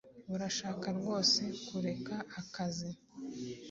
Urashaka rwose kureka akazi?